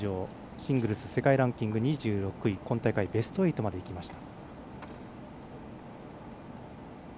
シングルス世界ランキング２６位今大会、ベスト８までいきました。